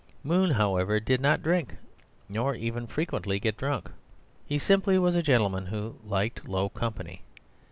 Moon, however, did not drink, nor even frequently get drunk; he simply was a gentleman who liked low company.